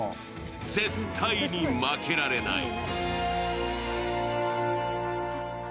絶対に負けられない！